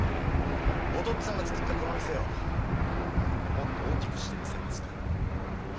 お父っつぁんが作ったこの店をもっと大きくしてみせますから。